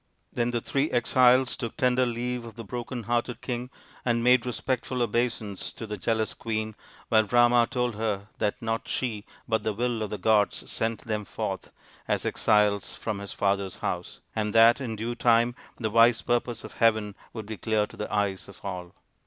Then the three exiles took tender leave of the broken hearted king, and made respectful obeisance to the jealous queen, \\hile Rama told her that not she but the will of the gods sent them forth as exiles from his father's house, and that in due time the wise purpose of heaven would be clear to the eyes of all.